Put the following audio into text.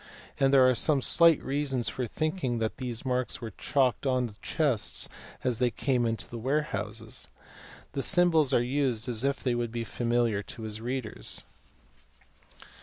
and there are some slight reasons for thinking that these marks were chalked on to the chests as they came into the warehouses. The symbols are used as if they would be familiar to his readers.